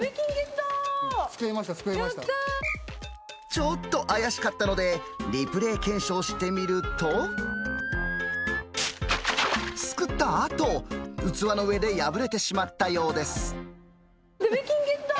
ちょっと怪しかったので、リプレー検証してみると、すくったあと、器の上で破れてしまった出目金ゲット。